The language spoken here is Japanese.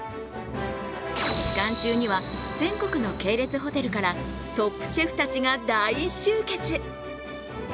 期間中には全国の系列ホテルからトップシェフたちが大集結。